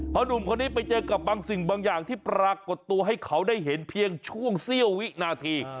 เพราะหนุ่มคนนี้ไปเจอกับบางสิ่งบางอย่างที่ปรากฏตัวให้เขาได้เห็นเพียงช่วงเสี้ยววินาที